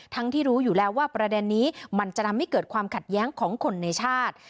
ที่รู้อยู่แล้วว่าประเด็นนี้มันจะทำให้เกิดความขัดแย้งของคนในชาติ